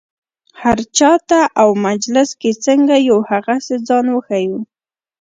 هر چا ته او مجلس کې څنګه یو هغسې ځان وښیو.